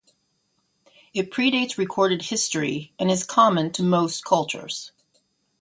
It predates recorded history and is common to most cultures.